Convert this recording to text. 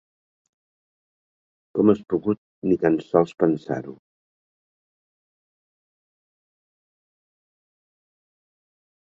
Com has pogut ni tan sols pensar-ho?